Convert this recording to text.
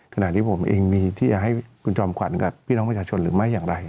ขณะนี้ผมเองมีที่จะให้คุณจอมขวัญกับพี่น้องประชาชนหรือไม่อย่างไร